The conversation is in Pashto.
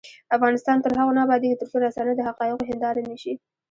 افغانستان تر هغو نه ابادیږي، ترڅو رسنۍ د حقایقو هنداره نشي.